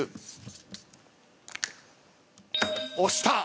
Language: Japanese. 押した。